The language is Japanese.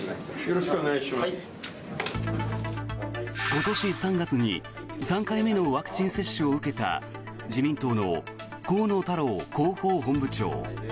今年３月に３回目のワクチン接種を受けた自民党の河野太郎広報本部長。